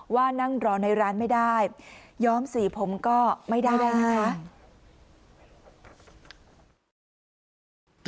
ว่านั่งรอในร้านไม่ได้ย้อมสีผมก็ไม่ได้แล้วนะคะ